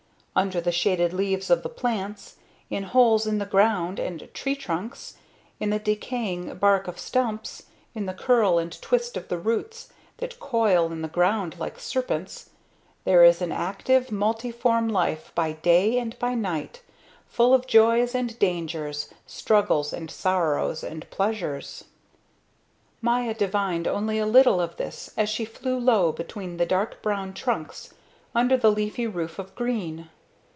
Under the shaded leaves of the plants, in holes in the ground and tree trunks, in the decaying bark of stumps, in the curl and twist of the roots that coil on the ground like serpents, there is an active, multiform life by day and by night, full of joys and dangers, struggles and sorrows and pleasures. Maya divined only a little of this as she flew low between the dark brown trunks under the leafy roof of green.